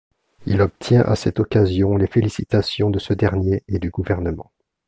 Il obtient à cette occasion les félicitations de ce dernier et du gouvernement.